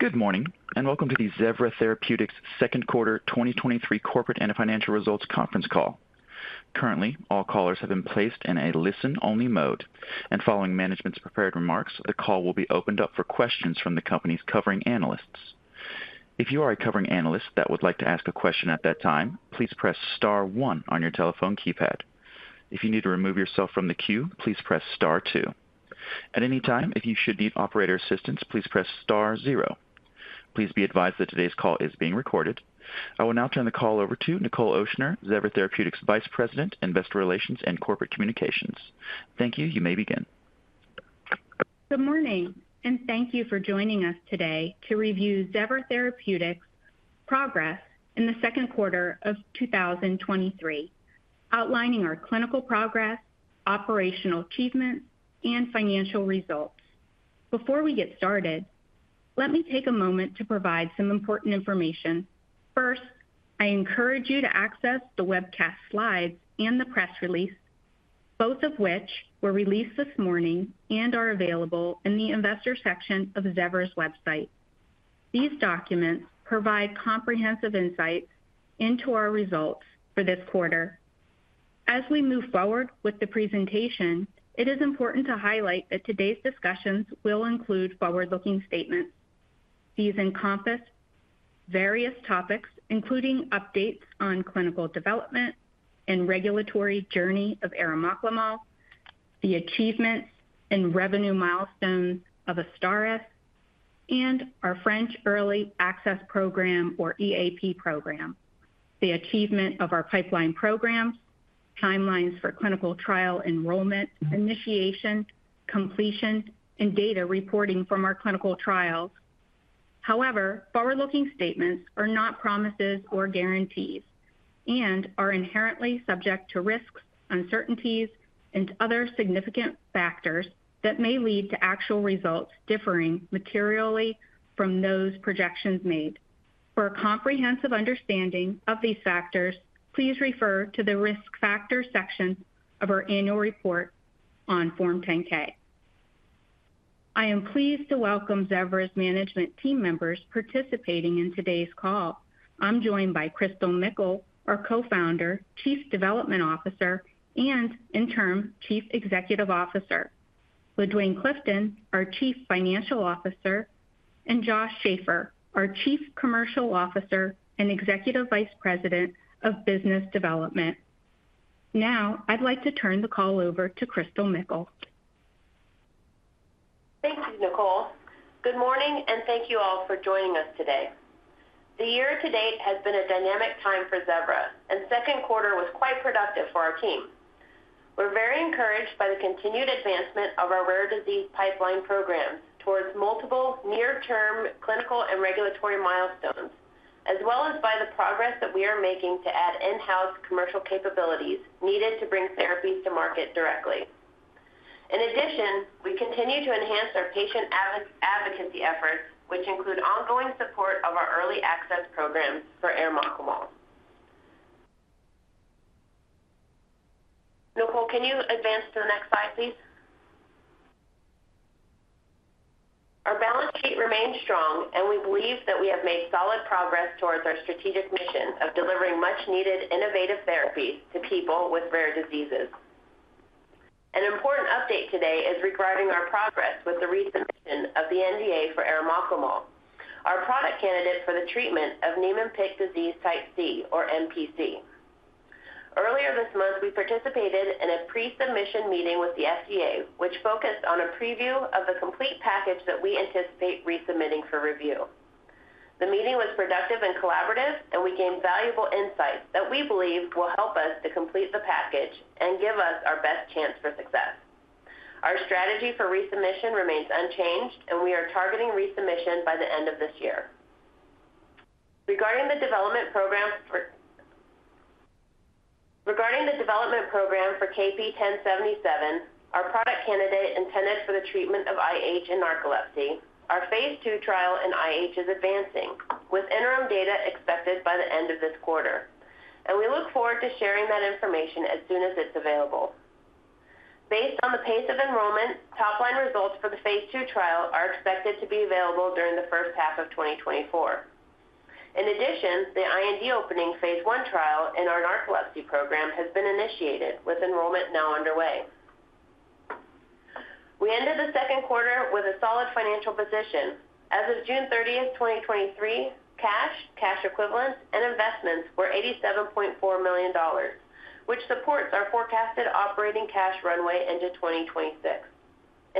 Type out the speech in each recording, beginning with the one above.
Good morning. Welcome to the Zevra Therapeutics Second Quarter 2023 Corporate and Financial Results Conference Call. Currently, all callers have been placed in a listen-only mode. Following management's prepared remarks, the call will be opened up for questions from the company's covering analysts. If you are a covering analyst that would like to ask a question at that time, please press star one on your telephone keypad. If you need to remove yourself from the queue, please press star two. At any time, if you should need operator assistance, please press star zero. Please be advised that today's call is being recorded. I will now turn the call over to Nichol Ochsner, Zevra Therapeutics Vice President, Investor Relations and Corporate Communications. Thank you. You may begin. Good morning, and thank you for joining us today to review Zevra Therapeutics' progress in the second quarter of 2023, outlining our clinical progress, operational achievements, and financial results. Before we get started, let me take a moment to provide some important information. First, I encourage you to access the webcast slides and the press release, both of which were released this morning and are available in the investor section of Zevra's website. These documents provide comprehensive insights into our results for this quarter. As we move forward with the presentation, it is important to highlight that today's discussions will include forward-looking statements. These encompass various topics, including updates on clinical development and regulatory journey of arimoclomol, the achievements and revenue milestones of AZSTARYS, and our French Early Access Program, or EAP program. The achievement of our pipeline programs, timelines for clinical trial enrollment, initiation, completion, and data reporting from our clinical trials. However, forward-looking statements are not promises or guarantees and are inherently subject to risks, uncertainties, and other significant factors that may lead to actual results differing materially from those projections made. For a comprehensive understanding of these factors, please refer to the Risk Factors section of our annual report on Form 10-K. I am pleased to welcome Zevra's management team members participating in today's call. I'm joined by Christal Mickle, our Co-Founder, Chief Development Officer, and Interim Chief Executive Officer, LaDuane Clifton, our Chief Financial Officer, and Josh Schafer, our Chief Commercial Officer and Executive Vice President of Business Development. Now, I'd like to turn the call over to Christal Mickle. Thank you, Nichol. Good morning. Thank you all for joining us today. The year to date has been a dynamic time for Zevra. Second quarter was quite productive for our team. We're very encouraged by the continued advancement of our rare disease pipeline programs towards multiple near-term clinical and regulatory milestones, as well as by the progress that we are making to add in-house commercial capabilities needed to bring therapies to market directly. In addition, we continue to enhance our patient advocacy efforts, which include ongoing support of our early access programs for arimoclomol. Nichol, can you advance to the next slide, please? Our balance sheet remains strong. We believe that we have made solid progress towards our strategic mission of delivering much-needed innovative therapies to people with rare diseases. An important update today is regarding our progress with the resubmission of the NDA for arimoclomol, our product candidate for the treatment of Niemann-Pick disease type C, or NPC. Earlier this month, we participated in a pre-submission meeting with the FDA, which focused on a preview of the complete package that we anticipate resubmitting for review. The meeting was productive and collaborative. We gained valuable insights that we believe will help us to complete the package and give us our best chance for success. Our strategy for resubmission remains unchanged. We are targeting resubmission by the end of this year. Regarding the development program for, regarding the development program for KP1077, our product candidate intended for the treatment of IH and narcolepsy, our phase II trial in IH is advancing, with interim data expected by the end of this quarter, and we look forward to sharing that information as soon as it's available. Based on the pace of enrollment, top-line results for the phase II trial are expected to be available during the first half of 2024. In addition, the IND opening phase I trial in our narcolepsy program has been initiated, with enrollment now underway. We ended the second quarter with a solid financial position. As of June 30th, 2023, cash, cash equivalents, and investments were $87.4 million, which supports our forecasted operating cash runway into 2026.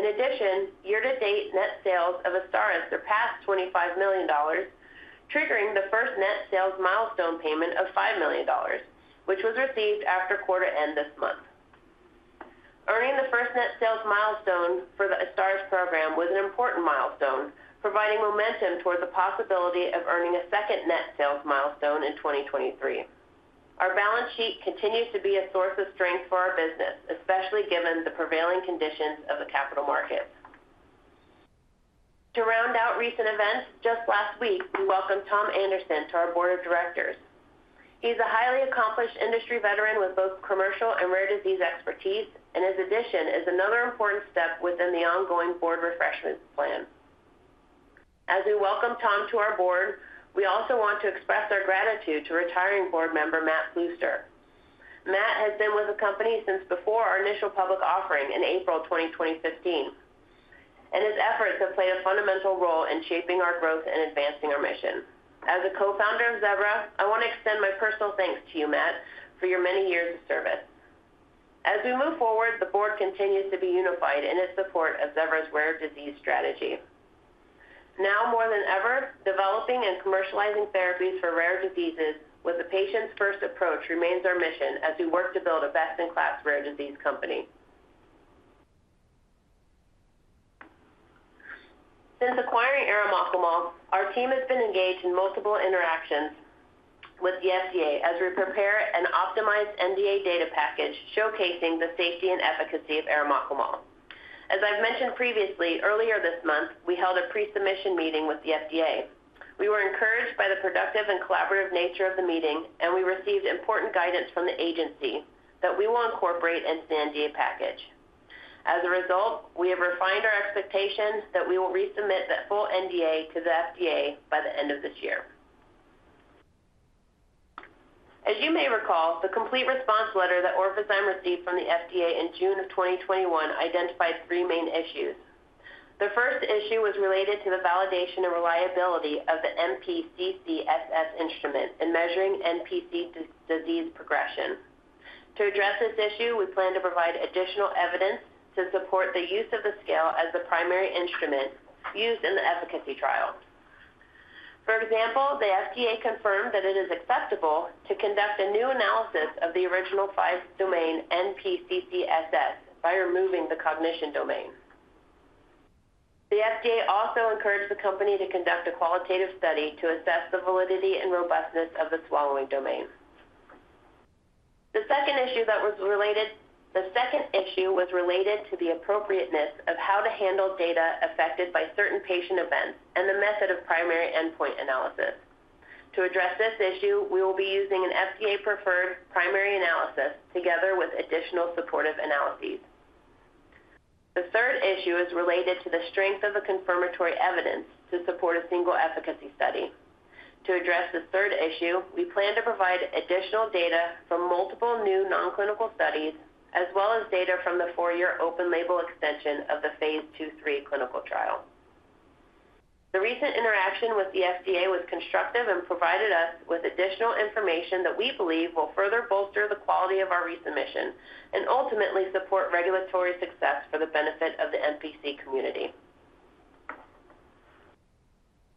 In addition, year-to-date net sales of AZSTARYS surpassed $25 million, triggering the first net sales milestone payment of $5 million, which was received after quarter-end this month. Earning the first net sales milestone for the AZSTARYS program was an important milestone, providing momentum towards the possibility of earning a second net sales milestone in 2023. Our balance sheet continues to be a source of strength for our business, especially given the prevailing conditions of the capital markets. To round out recent events, just last week, we welcomed Tom Anderson to our Board of Directors. He's a highly accomplished industry veteran with both commercial and rare disease expertise, his addition is another important step within the ongoing board refreshment plan. As we welcome Tom to our board, we also want to express our gratitude to retiring board member, Matt Plooster. Matt has been with the company since before our initial public offering in April 2015, his efforts have played a fundamental role in shaping our growth and advancing our mission. As a Co-Founder of Zevra, I want to extend my personal thanks to you, Matt, for your many years of service. As we move forward, the board continues to be unified in its support of Zevra's rare disease strategy. Now more than ever, developing and commercializing therapies for rare diseases with a patient's first approach remains our mission as we work to build a best-in-class rare disease company. Since acquiring arimoclomol, our team has been engaged in multiple interactions with the FDA as we prepare an optimized NDA data package showcasing the safety and efficacy of arimoclomol. As I've mentioned previously, earlier this month, we held a pre-submission meeting with the FDA. We were encouraged by the productive and collaborative nature of the meeting. We received important guidance from the agency that we will incorporate into the NDA package. As a result, we have refined our expectations that we will resubmit that full NDA to the FDA by the end of this year. As you may recall, the Complete Response Letter that Orphazyme received from the FDA in June of 2021 identified three main issues. The first issue was related to the validation and reliability of the NPCCSS instrument in measuring NPC disease progression. To address this issue, we plan to provide additional evidence to support the use of the scale as the primary instrument used in the efficacy trial. For example, the FDA confirmed that it is acceptable to conduct a new analysis of the original 5-domain NPCCSS by removing the cognition domain. The FDA also encouraged the company to conduct a qualitative study to assess the validity and robustness of the swallow domain. The second issue was related to the appropriateness of how to handle data affected by certain patient events and the method of primary endpoint analysis. To address this issue, we will be using an FDA-preferred primary analysis together with additional supportive analyses. The third issue is related to the strength of the confirmatory evidence to support a single efficacy study. To address the third issue, we plan to provide additional data from multiple new non-clinical studies, as well as data from the four-year open-label extension of the phase II/III clinical trial. The recent interaction with the FDA was constructive and provided us with additional information that we believe will further bolster the quality of our resubmission and ultimately support regulatory success for the benefit of the NPC community.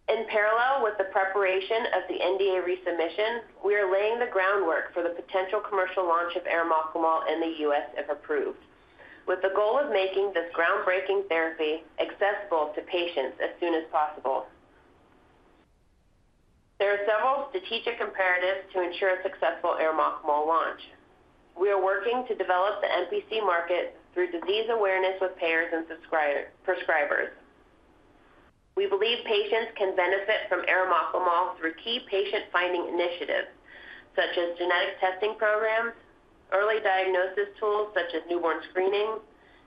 In parallel with the preparation of the NDA resubmission, we are laying the groundwork for the potential commercial launch of arimoclomol in the U.S., if approved, with the goal of making this groundbreaking therapy accessible to patients as soon as possible. There are several strategic imperatives to ensure a successful arimoclomol launch. We are working to develop the NPC market through disease awareness with payers and prescribers. We believe patients can benefit from arimoclomol through key patient-finding initiatives such as genetic testing programs, early diagnosis tools such as newborn screening,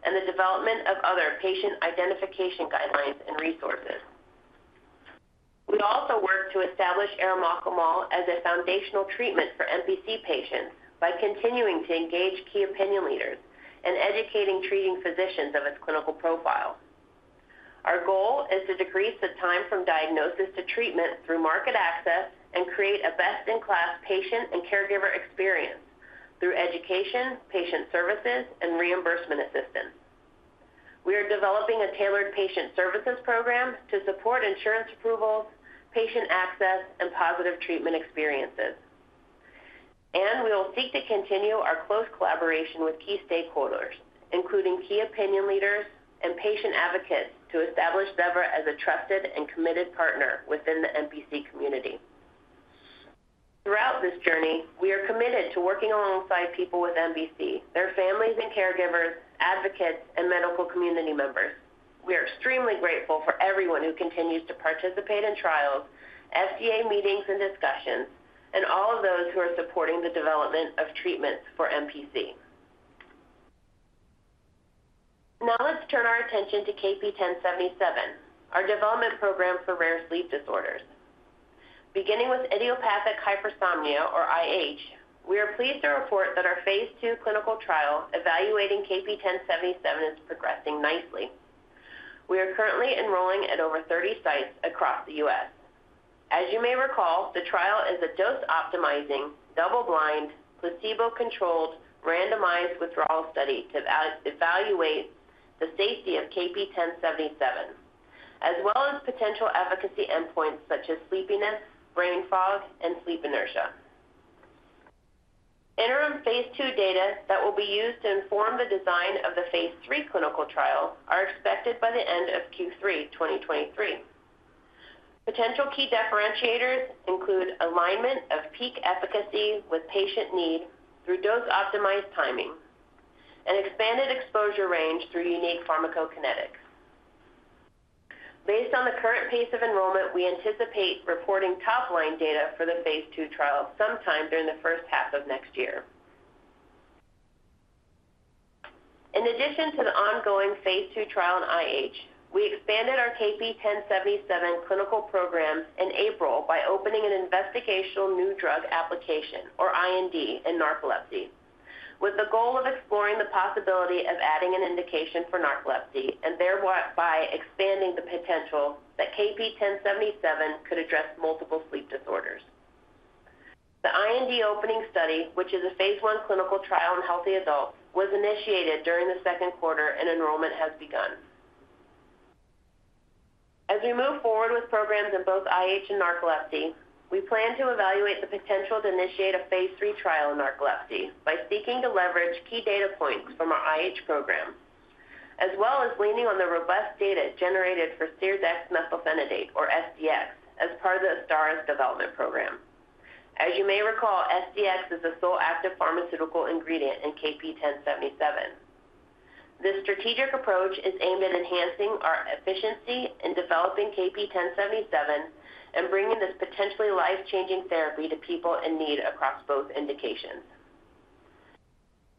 and the development of other patient identification guidelines and resources. We also work to establish arimoclomol as a foundational treatment for NPC patients by continuing to engage key opinion leaders and educating treating physicians of its clinical profile. Our goal is to decrease the time from diagnosis to treatment through market access and create a best-in-class patient and caregiver experience through education, patient services, and reimbursement assistance. We are developing a tailored patient services program to support insurance approvals, patient access, and positive treatment experiences. We will seek to continue our close collaboration with key stakeholders, including key opinion leaders and patient advocates, to establish Zevra as a trusted and committed partner within the NPC community. Throughout this journey, we are committed to working alongside people with NPC, their families and caregivers, advocates, and medical community members. We are extremely grateful for everyone who continues to participate in trials, FDA meetings and discussions, and all of those who are supporting the development of treatments for NPC. Let's turn our attention to KP1077, our development program for rare sleep disorders. Beginning with idiopathic hypersomnia, or IH, we are pleased to report that our phase II clinical trial evaluating KP1077 is progressing nicely. We are currently enrolling at over 30 sites across the U.S. As you may recall, the trial is a dose-optimizing, double-blind, placebo-controlled, randomized withdrawal study to evaluate the safety of KP1077, as well as potential efficacy endpoints such as sleepiness, brain fog, and sleep inertia. Interim phase II data that will be used to inform the design of the phase III clinical trial are expected by the end of Q3 2023. Potential key differentiators include alignment of peak efficacy with patient need through dose-optimized timing and expanded exposure range through unique pharmacokinetics. Based on the current pace of enrollment, we anticipate reporting top-line data for the phase II trial sometime during the first half of next year. In addition to the ongoing phase II trial in IH, we expanded our KP1077 clinical program in April by opening an Investigational New Drug application, or IND, in narcolepsy, with the goal of exploring the possibility of adding an indication for narcolepsy and thereby expanding the potential that KP1077 could address multiple sleep disorders. The IND opening study, which is a phase I clinical trial in healthy adults, was initiated during the second quarter and enrollment has begun. As we move forward with programs in both IH and narcolepsy, we plan to evaluate the potential to initiate a phase III trial in narcolepsy by seeking to leverage key data points from our IH program, as well as leaning on the robust data generated for serdexmethylphenidate, or SDX, as part of the AZSTARYS development program. As you may recall, SDX is the sole active pharmaceutical ingredient in KP1077. This strategic approach is aimed at enhancing our efficiency in developing KP1077 and bringing this potentially life-changing therapy to people in need across both indications.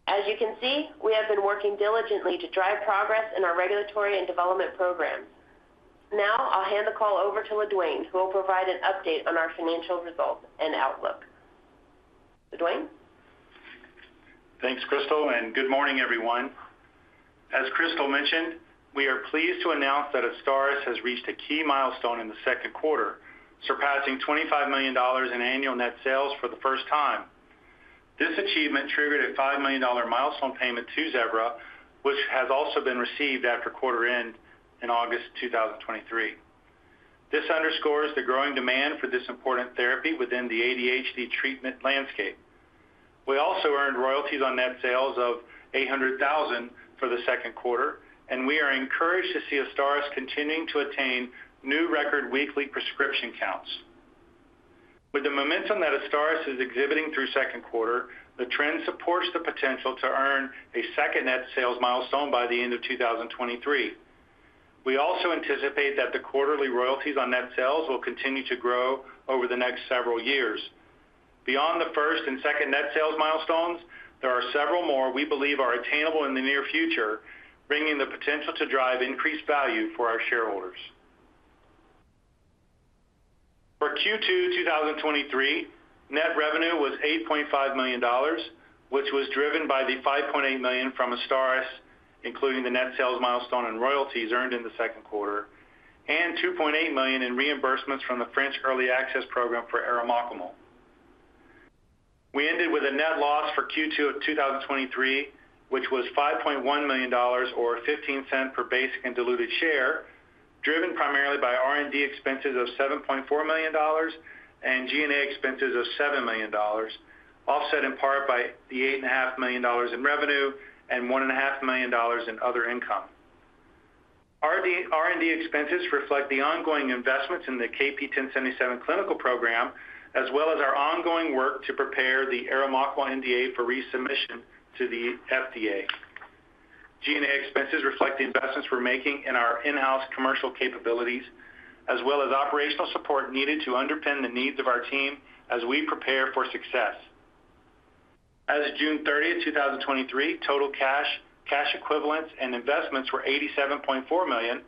As you can see, we have been working diligently to drive progress in our regulatory and development programs. Now, I'll hand the call over to LaDuane, who will provide an update on our financial results and outlook. Duane? Thanks, Christal, and good morning, everyone. As Christal mentioned, we are pleased to announce that AZSTARYS has reached a key milestone in the second quarter, surpassing $25 million in annual net sales for the first time. This achievement triggered a $5 million milestone payment to Zevra, which has also been received after quarter end in August 2023. This underscores the growing demand for this important therapy within the ADHD treatment landscape. We also earned royalties on net sales of $800,000 for the second quarter, and we are encouraged to see AZSTARYS continuing to attain new record weekly prescription counts. With the momentum that AZSTARYS is exhibiting through second quarter, the trend supports the potential to earn a second net sales milestone by the end of 2023. We also anticipate that the quarterly royalties on net sales will continue to grow over the next several years. Beyond the first and second net sales milestones, there are several more we believe are attainable in the near future, bringing the potential to drive increased value for our shareholders. For Q2 2023, net revenue was $8.5 million, which was driven by the $5.8 million from AZSTARYS, including the net sales milestone and royalties earned in the second quarter, and $2.8 million in reimbursements from the French Early Access Program for arimoclomol. We ended with a net loss for Q2 of 2023, which was $5.1 million or $0.15 per basic and diluted share, driven primarily by R&D expenses of $7.4 million and G&A expenses of $7 million, offset in part by the $8.5 million in revenue and $1.5 million in other income. R&D expenses reflect the ongoing investments in the KP1077 clinical program, as well as our ongoing work to prepare the arimoclomol NDA for resubmission to the FDA. G&A expenses reflect the investments we're making in our in-house commercial capabilities, as well as operational support needed to underpin the needs of our team as we prepare for success. As of June 30th, 2023, total cash, cash equivalents, and investments were $87.4 million,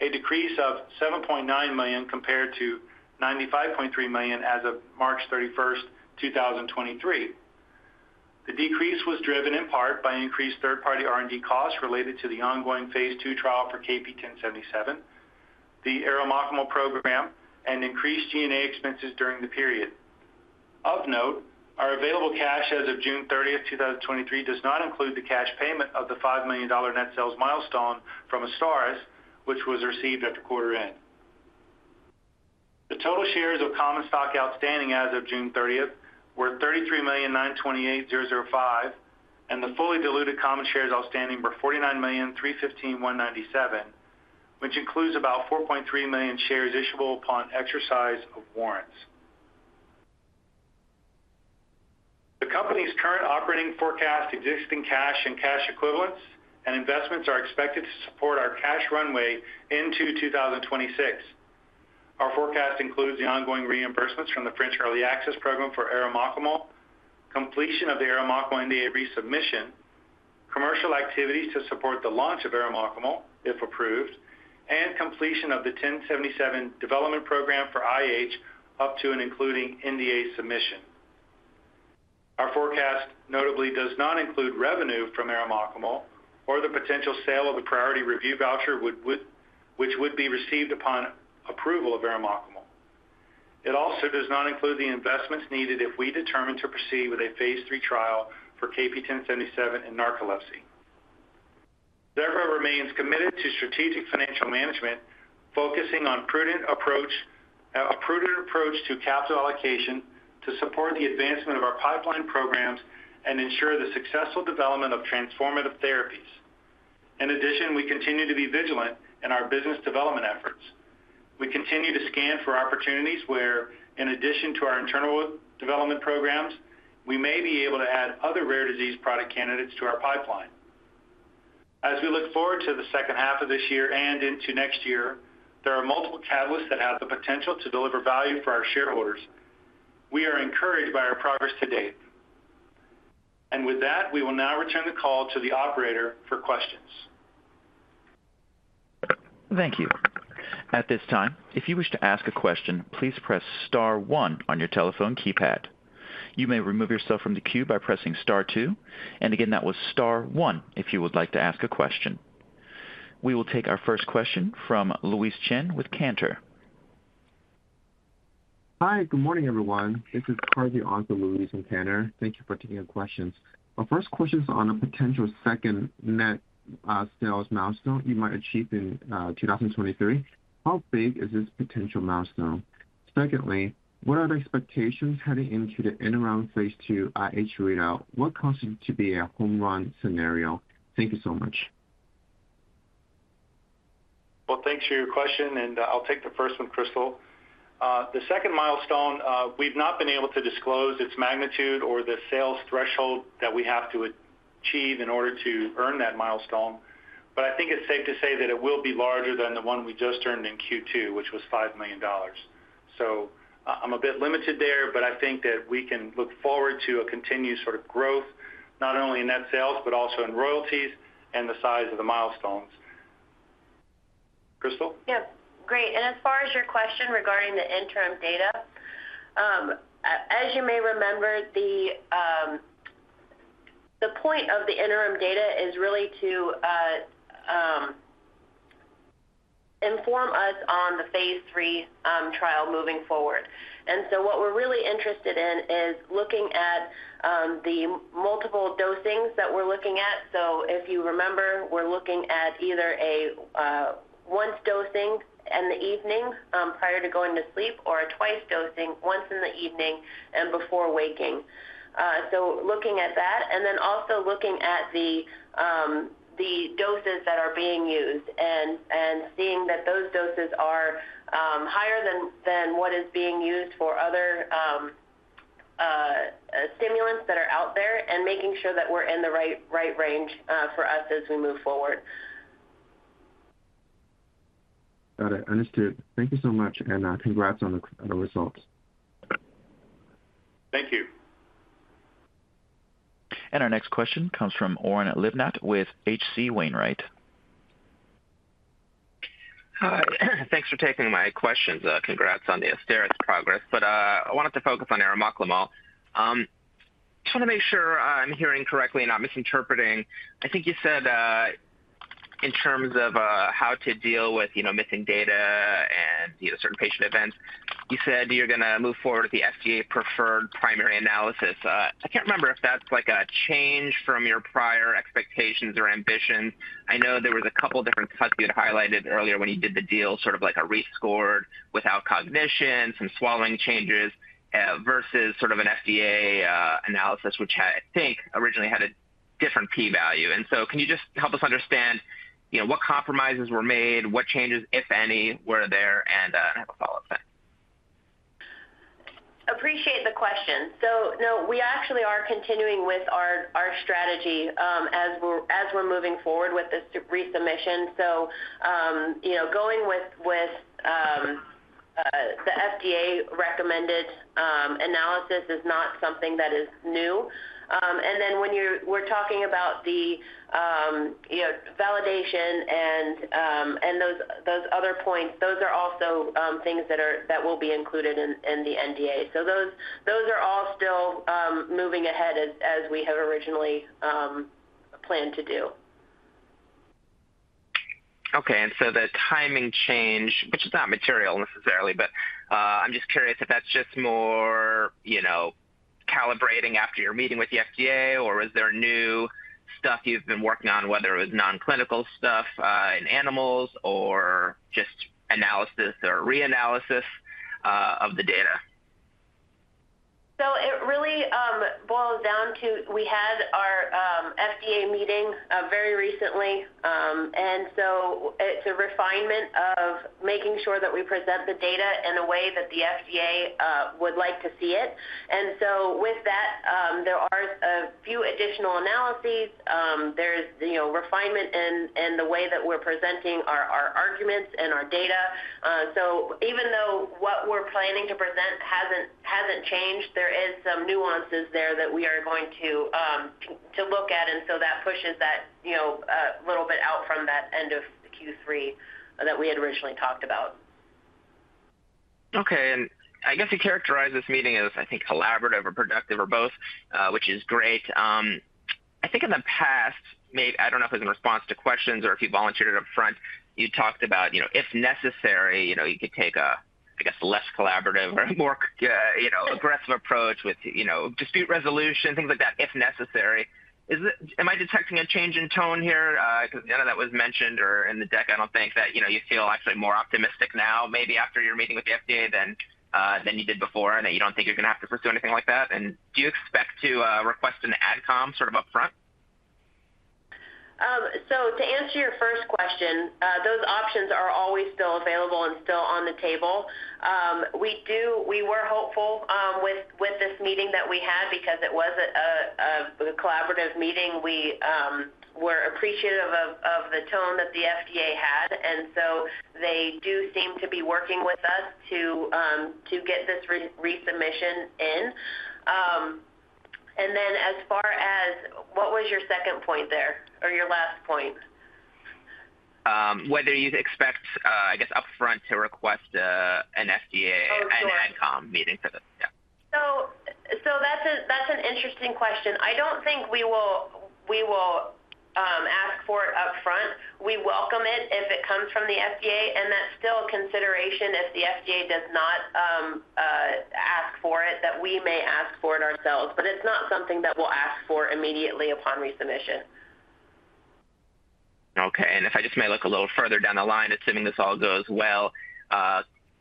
a decrease of $7.9 million compared to $95.3 million as of March 31st, 2023. The decrease was driven in part by increased third-party R&D costs related to the ongoing phase II trial for KP1077, the arimoclomol program, and increased G&A expenses during the period. Of note, our available cash as of June 30th, 2023, does not include the cash payment of the $5 million net sales milestone from AZSTARYS, which was received at the quarter end. The total shares of common stock outstanding as of June 30th were 33,928,005, and the fully diluted common shares outstanding were 49,315,197, which includes about 4.3 million shares issuable upon exercise of warrants. The company's current operating forecast, existing cash and cash equivalents, and investments are expected to support our cash runway into 2026. Our forecast includes the ongoing reimbursements from the French Early Access Program for arimoclomol, completion of the arimoclomol NDA resubmission, commercial activities to support the launch of arimoclomol, if approved, and completion of the 1077 development program for IH, up to and including NDA submission. Our forecast notably does not include revenue from arimoclomol or the potential sale of the Priority Review Voucher would, which would be received upon approval of arimoclomol. It also does not include the investments needed if we determine to proceed with a phase III trial for KP1077 in narcolepsy. Zevra remains committed to strategic financial management, focusing on a prudent approach to capital allocation to support the advancement of our pipeline programs and ensure the successful development of transformative therapies. In addition, we continue to be vigilant in our business development efforts. We continue to scan for opportunities where, in addition to our internal development programs, we may be able to add other rare disease product candidates to our pipeline. As we look forward to the second half of this year and into next year, there are multiple catalysts that have the potential to deliver value for our shareholders. We are encouraged by our progress to date. With that, we will now return the call to the operator for questions. Thank you. At this time, if you wish to ask a question, please press star one on your telephone keypad. You may remove yourself from the queue by pressing star two, and again, that was star one if you would like to ask a question. We will take our first question from Louise Chen with Cantor. Hi, good morning, everyone. This is Harvey on to Louise from Cantor. Thank you for taking our questions. Our first question is on a potential second net sales milestone you might achieve in 2023. How big is this potential milestone? Secondly, what are the expectations heading into the interim phase II IH trial? What constitutes to be a home run scenario? Thank you so much. Well, thanks for your question. I'll take the first one, Christal. The second milestone, we've not been able to disclose its magnitude or the sales threshold that we have to achieve in order to earn that milestone. I think it's safe to say that it will be larger than the one we just earned in Q2, which was $5 million. I, I'm a bit limited there, but I think that we can look forward to a continued sort of growth, not only in net sales, but also in royalties and the size of the milestones. Christal? Yes. Great. As far as your question regarding the interim data, as, as you may remember, the point of the interim data is really to inform us on the phase III trial moving forward. What we're really interested in is looking at the multiple dosings that we're looking at. If you remember, we're looking at either a once dosing in the evening, prior to going to sleep, or a twice dosing, once in the evening and before waking. Looking at that, and then also looking at the doses that are being used and, and seeing that those doses are higher than what is being used for other stimulants that are out there, and making sure that we're in the right, right range, for us as we move forward. Got it. Understood. Thank you so much, and, congrats on the, on the results. Thank you. Our next question comes from Oren Livnat with H.C. Wainwright. Hi, thanks for taking my questions. Congrats on the AZSTARYS progress, but I wanted to focus on arimoclomol. Just want to make sure I'm hearing correctly and not misinterpreting. I think you said, in terms of, how to deal with, you know, missing data and, you know, certain patient events, you said you're gonna move forward with the FDA-preferred primary analysis. I can't remember if that's like a change from your prior expectations or ambitions. I know there was a couple different cuts you had highlighted earlier when you did the deal, sort of like a rescore without cognition, some swallowing changes, versus sort of an FDA analysis, which I think originally had a different p-value. Can you just help us understand, you know, what compromises were made, what changes, if any, were there, and I have a follow-up then? Appreciate the question. No, we actually are continuing with our, our strategy, as we're, as we're moving forward with this resubmission. You know, going with, with, the FDA-recommended analysis is not something that is new. When we're talking about the, you know, validation and, and those, those other points, those are also, things that are, that will be included in, in the NDA. Those, those are all still, moving ahead as, as we have originally, planned to do. Okay. The timing change, which is not material necessarily, but, I'm just curious if that's just more, you know, calibrating after your meeting with the FDA, or is there new stuff you've been working on, whether it was non-clinical stuff, in animals or just analysis or reanalysis, of the data? It really boils down to we had our FDA meeting very recently. It's a refinement of making sure that we present the data in a way that the FDA would like to see it. With that, there are a few additional analyses. There's, you know, refinement in the way that we're presenting our arguments and our data. Even though what we're planning to present hasn't, hasn't changed, there is some nuances there that we are going to look at, and so that pushes that, you know, little bit out from that end of Q3 that we had originally talked about. Okay. I guess you characterized this meeting as, I think, collaborative or productive or both, which is great. I think in the past, I don't know if it was in response to questions or if you volunteered it up front, you talked about, you know, if necessary, you know, you could take a, I guess, less collaborative or more, you know, aggressive approach with, you know, dispute resolution, things like that, if necessary. Am I detecting a change in tone here? Because none of that was mentioned or in the deck, I don't think that, you know, you feel actually more optimistic now, maybe after your meeting with the FDA than you did before, and that you don't think you're gonna have to pursue anything like that. Do you expect to request an AdCom sort of upfront? To answer your first question, those options are always still available and still on the table. We were hopeful with this meeting that we had because it was a collaborative meeting. We were appreciative of the tone that the FDA had, and so they do seem to be working with us to get this resubmission in. As far as... What was your second point there, or your last point? whether you'd expect, I guess, upfront to request, an FDA- Oh, sure. AdCom meeting for this? Yeah. That's an interesting question. I don't think we will ask for it upfront. We welcome it if it comes from the FDA, and that's still a consideration if the FDA does not ask for it, that we may ask for it ourselves. It's not something that we'll ask for immediately upon resubmission. Okay. If I just may look a little further down the line, assuming this all goes well,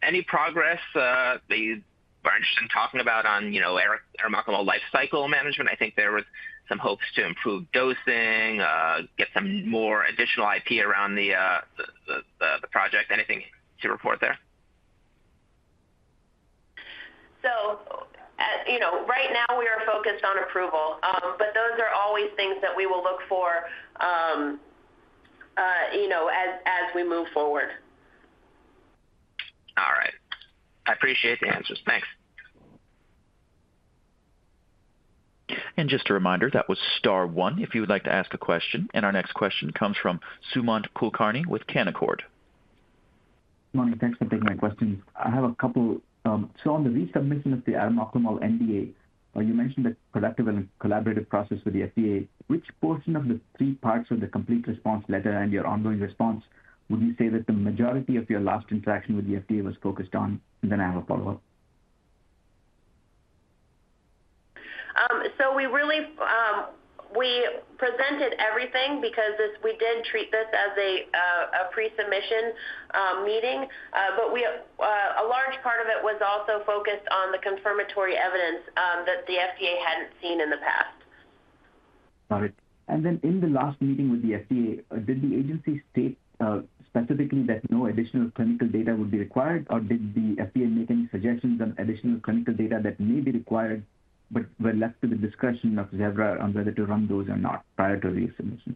any progress that you are interested in talking about on, you know, arimoclomol life cycle management? I think there was some hopes to improve dosing, get some more additional IP around the, the, the, the project. Anything to report there? You know, right now, we are focused on approval, but those are always things that we will look for, you know, as, as we move forward. All right. I appreciate the answers. Thanks. Just a reminder, that was star one, if you would like to ask a question, and our next question comes from Sumant Kulkarni with Canaccord. Good morning, thanks for taking my question. I have a couple. On the resubmission of the arimoclomol NDA, you mentioned a productive and collaborative process with the FDA. Which portion of the three parts of the Complete Response Letter and your ongoing response would you say that the majority of your last interaction with the FDA was focused on? I have a follow-up. We really, we presented everything because this-- we did treat this as a pre-submission meeting, but we, a large part of it was also focused on the confirmatory evidence, that the FDA hadn't seen in the past. Got it. Then in the last meeting with the FDA, did the agency state specifically that no additional clinical data would be required, or did the FDA make any suggestions on additional clinical data that may be required, but were left to the discretion of Zevra on whether to run those or not prior to resubmission?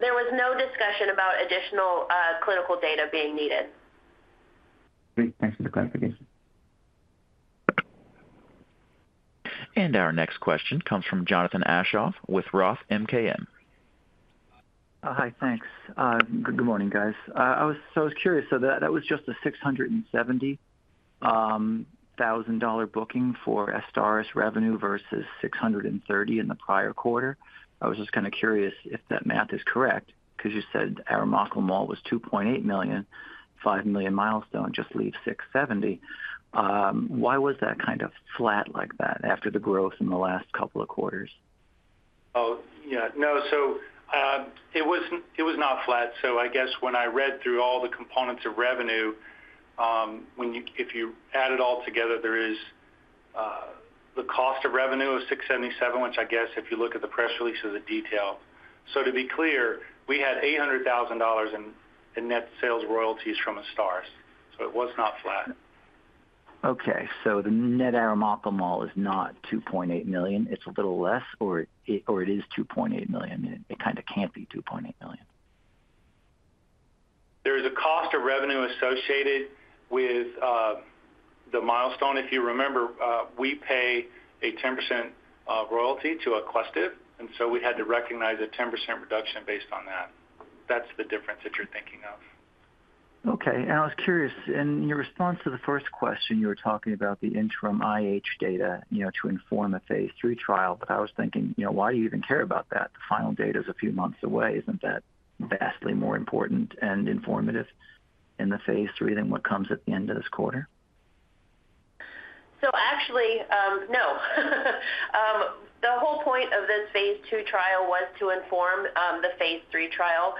There was no discussion about additional clinical data being needed. Great. Thanks for the clarification. Our next question comes from Jonathan Aschoff with Roth MKM. Hi. Thanks. Good morning, guys. I was curious, that was just a $670,000 booking for AZSTARYS revenue versus $630 in the prior quarter. I was just kind of curious if that math is correct, because you said arimoclomol was $2.8 million, $5 million milestone, just leaves $670. Why was that kind of flat like that after the growth in the last couple of quarters? Oh, yeah. No. it was not flat. I guess when I read through all the components of revenue, if you add it all together, there is the cost of revenue of $677, which I guess if you look at the press release of the detail. To be clear, we had $800,000 in, in net sales royalties from AZSTARYS, so it was not flat. Okay, the net arimoclomol is not $2.8 million. It's a little less, or it, or it is $2.8 million. It kind of can't be $2.8 million. There is a cost of revenue associated with the milestone. If you remember, we pay a 10% royalty to Aquestive, and so we had to recognize a 10% reduction based on that. That's the difference that you're thinking of. Okay. I was curious, in your response to the first question, you were talking about the interim IH data, you know, to inform a phase III trial, but I was thinking, you know, why do you even care about that? The final data is a few months away. Isn't that vastly more important and informative in the phase III than what comes at the end of this quarter? Actually, no. The whole point of this phase II trial was to inform the phase III trial.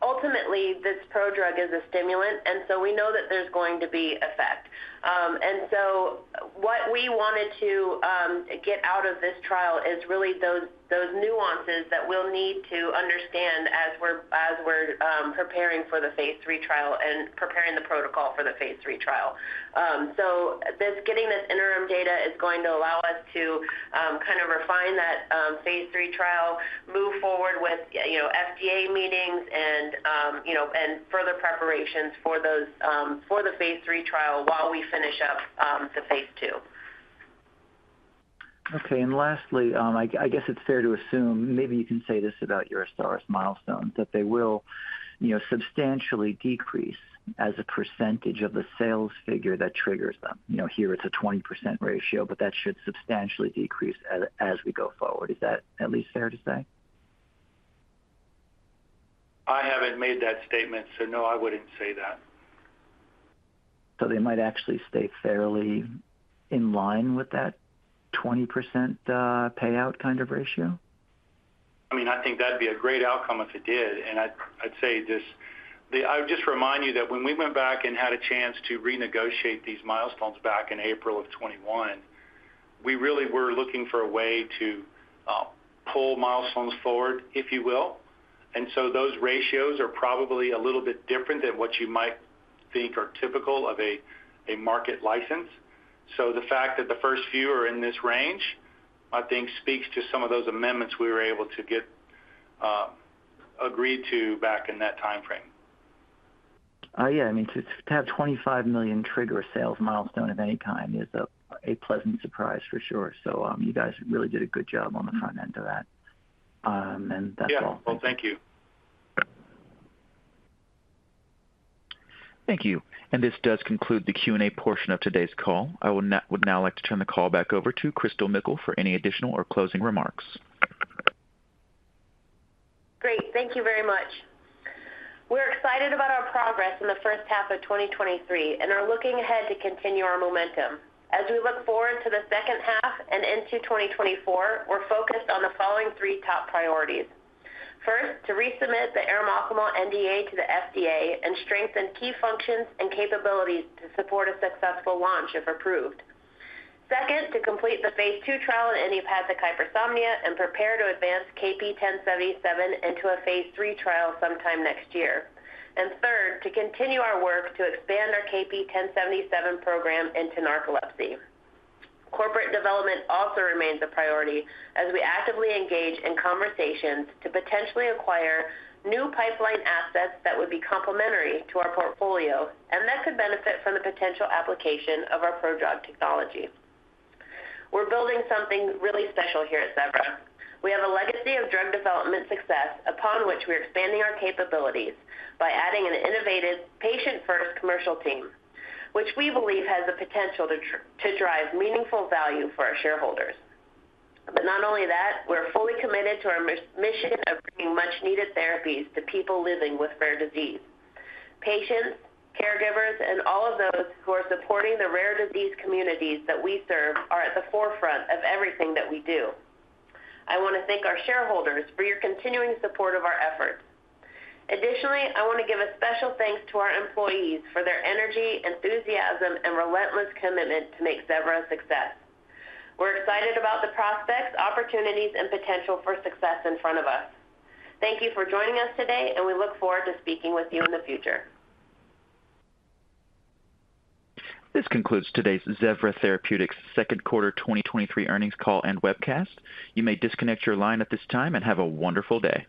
Ultimately, this prodrug is a stimulant, and so we know that there's going to be effect. What we wanted to get out of this trial is really those, those nuances that we'll need to understand as we're, as we're preparing for the phase III trial and preparing the protocol for the phase III trial. This, getting this interim data is going to allow us to kind of refine that phase III trial, move forward with, you know, FDA meetings and, you know, and further preparations for those for the phase III trial while we finish up the phase II. Okay. Lastly, I, I guess it's fair to assume, maybe you can say this about your AZSTARYS milestone, that they will, you know, substantially decrease as a percentage of the sales figure that triggers them. You know, here it's a 20% ratio, but that should substantially decrease as, as we go forward. Is that at least fair to say? I haven't made that statement, so no, I wouldn't say that. They might actually stay fairly in line with that 20% payout kind of ratio? I mean, I think that'd be a great outcome if it did, and I'd, I'd say. I would just remind you that when we went back and had a chance to renegotiate these milestones back in April of 2021, we really were looking for a way to pull milestones forward, if you will. Those ratios are probably a little bit different than what you might think are typical of a market license. The fact that the first few are in this range, I think speaks to some of those amendments we were able to get agreed to back in that time frame. Yeah, I mean, to, to have $25 million trigger sales milestone at any time is a, a pleasant surprise for sure. You guys really did a good job on the front end of that. That's all. Yeah. Well, thank you. Thank you. This does conclude the Q&A portion of today's call. I would now like to turn the call back over to Christal Mickle for any additional or closing remarks. Great, thank you very much. We're excited about our progress in the first half of 2023 and are looking ahead to continue our momentum. As we look forward to the second half and into 2024, we're focused on the following three top priorities. First, to resubmit the arimoclomol NDA to the FDA and strengthen key functions and capabilities to support a successful launch, if approved. Second, to complete the phase II trial in idiopathic hypersomnia and prepare to advance KP1077 into a phase III trial sometime next year. Third, to continue our work to expand our KP1077 program into narcolepsy. Corporate development also remains a priority as we actively engage in conversations to potentially acquire new pipeline assets that would be complementary to our portfolio and that could benefit from the potential application of our prodrug technology. We're building something really special here at Zevra. We have a legacy of drug development success, upon which we're expanding our capabilities by adding an innovative, patient-first commercial team, which we believe has the potential to drive meaningful value for our shareholders. Not only that, we're fully committed to our mission of bringing much-needed therapies to people living with rare disease. Patients, caregivers, and all of those who are supporting the rare disease communities that we serve are at the forefront of everything that we do. I want to thank our shareholders for your continuing support of our efforts. Additionally, I want to give a special thanks to our employees for their energy, enthusiasm, and relentless commitment to make Zevra a success. We're excited about the prospects, opportunities, and potential for success in front of us. Thank you for joining us today, and we look forward to speaking with you in the future. This concludes today's Zevra Therapeutics second quarter 2023 earnings call and webcast. You may disconnect your line at this time, and have a wonderful day.